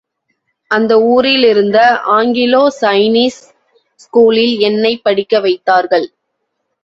அந்த ஊரிலிருந்த Anglo Chinese ஸ்கூலில் என்னைப் படிக்க வைத்தார்கள்.